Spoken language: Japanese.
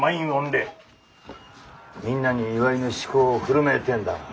みんなに祝いの酒肴を振る舞えてえんだが。